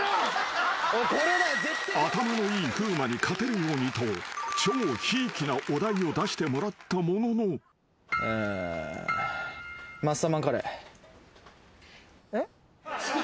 ［頭のいい風磨に勝てるようにと超ひいきなお題を出してもらったものの］えっ？